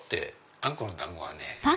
あんこの団子はね